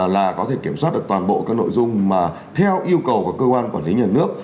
là có thể kiểm soát được toàn bộ các nội dung mà theo yêu cầu của cơ quan quản lý nhà nước